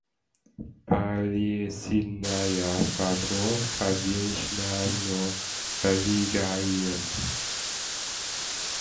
Pārliecinājās par to, ka viņš nav no bailīgajiem.